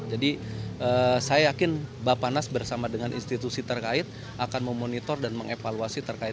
jadi saya yakin bapak nas bersama dengan institusi terkait akan memonitor dan mengevaluasi terkait dengan het